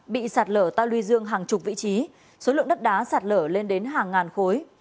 bị sạt lở ta luy dương hàng chục vị trí số lượng đất đá sạt lở lên đến hàng ngàn khối